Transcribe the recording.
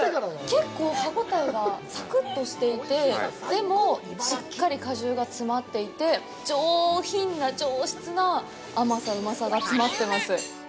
結構、歯応えがサクッとしていてでも、しっかり果汁が詰まっていて上品な、上質な甘さ、うまさが詰まってます。